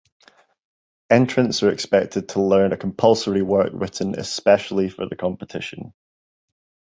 Entrants are expected to learn a compulsory work written especially for the competition.